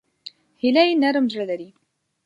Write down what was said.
هیلۍ نرم زړه لري